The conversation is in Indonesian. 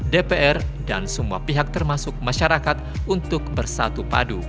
dpr dan semua pihak termasuk masyarakat untuk bersatu padu